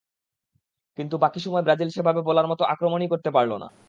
কিন্তু বাকি সময় ব্রাজিল সেভাবে বলার মতো আক্রমণই করতে পারল না।